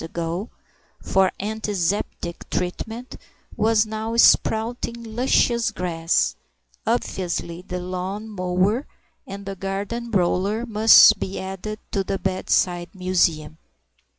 ago, for Anti zeptic treatment, was now sprouting luscious grass; obviously the lawn mower and garden roller must be added to the bedside museum.